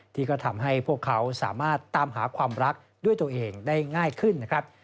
ที่ก็ทำให้พวกเขาสามารถตามหาความรักด้วยตัวเองได้ง่ายขึ้นนะครับ